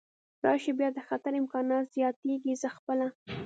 راشي، بیا د خطر امکانات زیاتېږي، زه خپله.